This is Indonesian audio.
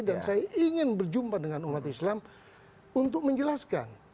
dan saya ingin berjumpa dengan umat islam untuk menjelaskan